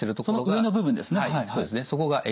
その上の部分ですね。